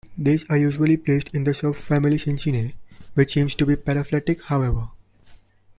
These are usually placed in the subfamily Scincinae, which seems to be paraphyletic however.